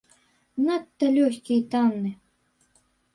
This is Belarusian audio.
Надта лёгкі і танны.